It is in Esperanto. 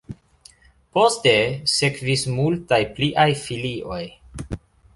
Poste sekvis multaj pliaj filioj.